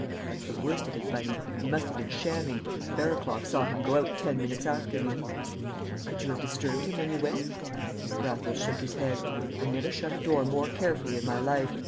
"That's the worst of it, Bunny. He must have been shamming. Barraclough saw him go out ten minutes after me." "Could you have disturbed him when you went?" Raffles shook his head. "I never shut a door more carefully in my life.